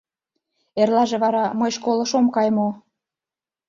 Эрлаже вара мый школыш ом кай мо?